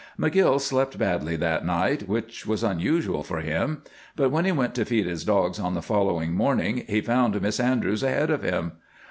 McGill slept badly that night, which was unusual for him, but when he went to feed his dogs on the following morning he found Miss Andrews ahead of him.